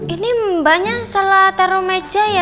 ini mbaknya salah taruh meja ya